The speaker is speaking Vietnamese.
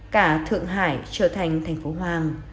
cả thượng hải trở thành thành phố hoang